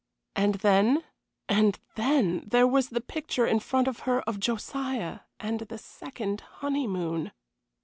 And then and then there was the picture in front of her of Josiah and the "second honeymoon."